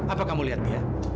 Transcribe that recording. apa kamu lihat dia